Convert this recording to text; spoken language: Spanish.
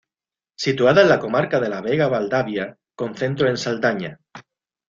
Situada en la comarca de la Vega-Valdavia, con centro en Saldaña.